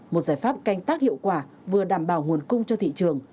một giải pháp canh tác hiệu quả vừa đảm bảo nguồn cung cho thị trường